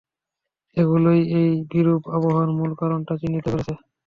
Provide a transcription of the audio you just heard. এগুলো এই বিরূপ আবহাওয়ার মূল কারণটা চিহ্নিত করেছে।